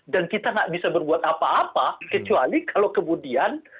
dan kita nggak bisa berbuat apa apa kecuali kalau kemudian